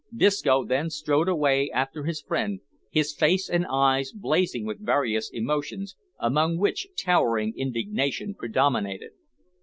Disco then strode away after his friend, his face and eyes blazing with various emotions, among which towering indignation predominated.